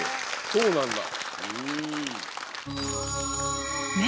そうなんだ。